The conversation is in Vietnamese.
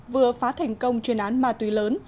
vừa phá thành công chuyên án ma túy lớn